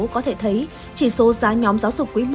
có thể thấy chỉ số giá nhóm giáo dục quý i